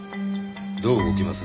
どう動きます？